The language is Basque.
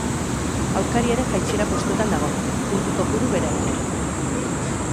Aurkaria ere jaitsiera postuetan dago, puntu kopuru berarekin.